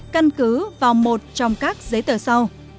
căn cứ vào một trong các giấy tờ sau